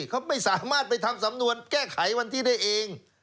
เขาไม่สามารถไปทำสำนวนแก้ไขวันที่ได้เอง